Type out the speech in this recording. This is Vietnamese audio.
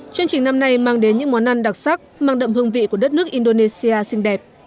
chương trình năm nay mang đến những món ăn đặc sắc mang đậm hương vị của đất nước indonesia xinh đẹp